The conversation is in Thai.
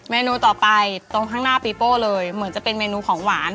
นูต่อไปตรงข้างหน้าปีโป้เลยเหมือนจะเป็นเมนูของหวาน